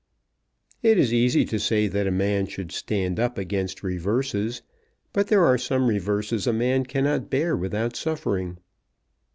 "It is easy to say that a man should stand up against reverses, but there are some reverses a man cannot bear without suffering."